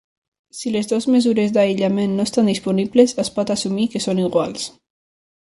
Si les dues mesures d'aïllament no estan disponibles, es pot assumir que són iguals.